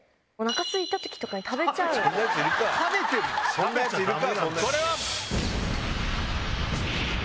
そんなヤツいるか！